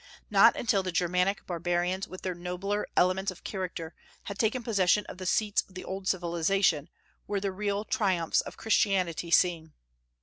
Not until the Germanic barbarians, with their nobler elements of character, had taken possession of the seats of the old civilization, were the real triumphs of Christianity seen.